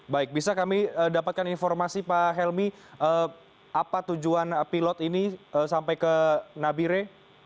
baik bisa kami dapatkan informasi pak helmi apa tujuan pilot ini sampai ke nabire